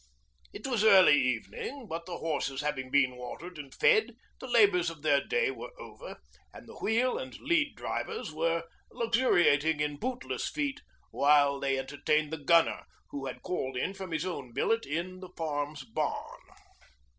It was early evening; but the horses having been watered and fed, the labours of their day were over, and the Wheel and Lead Drivers were luxuriating in bootless feet while they entertained the Gunner who had called in from his own billet in the farm's barn.